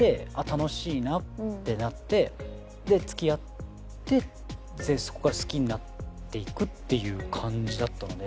楽しいなってなってで付き合ってそこから好きになっていくっていう感じだったので。